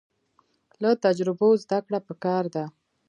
له تجربو زده کړه پکار ده